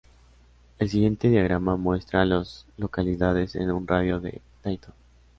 El siguiente diagrama muestra a las localidades en un radio de de Dayton.